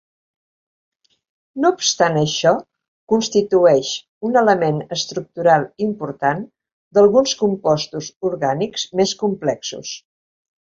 No obstant això, constitueix un element estructural important d'alguns compostos orgànics més complexos.